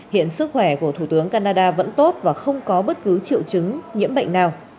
hiện sức khỏe của thủ tướng canada vẫn tốt và không có bất cứ triệu chứng nhiễm bệnh nào